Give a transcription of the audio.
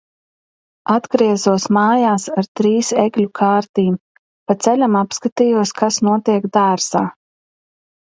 Atgriezos mājās ar trīs egļu kārtīm. Pa ceļam apskatījos, kas notiek dārzā.